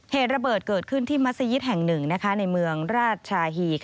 เหตุระเบิดเกิดขึ้นที่มัศยิตแห่งหนึ่งในเมืองราชชาฮี